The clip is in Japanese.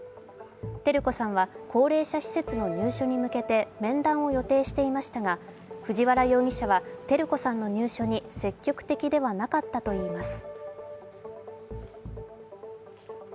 照子さんは高齢者施設の入所に向けて面談を予定していましたが藤原容疑者は照子さんの入所に積極的ではなかったといいます。